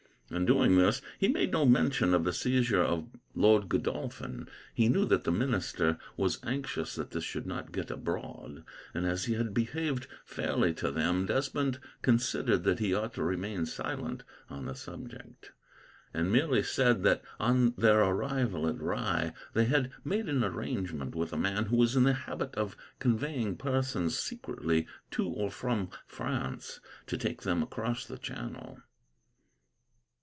In doing this, he made no mention of the seizure of Lord Godolphin. He knew that the minister was anxious that this should not get abroad, and, as he had behaved fairly to them, Desmond considered that he ought to remain silent on the subject; and merely said that, on their arrival at Rye, they had made an arrangement with a man who was in the habit of conveying persons secretly, to or from France, to take them across the channel.